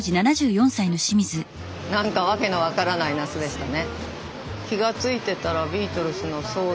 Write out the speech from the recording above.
なんかわけの分からない夏でしたね。